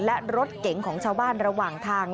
และรถเก๋งของชาวบ้านระหว่างทาง